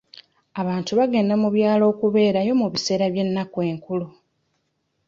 Abantu bagenda mu byalo okubeerayo mu biseera by'ennaku enkulu